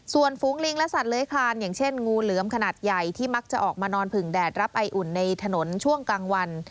ส่วนฝูงลิงและสัตว์เลื้อยคลานอย่างเช่นงูเหลือมขนาดใหญ่ที่มักจะออกมานอนผึ่งแดดรับไออุ่นในถนนช่วงกลางวัน